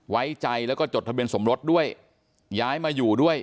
ไว้ใจแล้วก็จดทะเบียนสมรสด้วยย้ายมาอยู่ด้วย